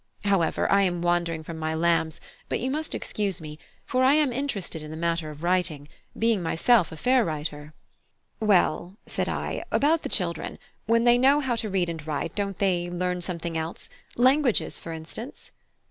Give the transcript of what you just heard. However, I am wandering from my lambs; but you must excuse me, for I am interested in this matter of writing, being myself a fair writer." "Well," said I, "about the children; when they know how to read and write, don't they learn something else languages, for instance?"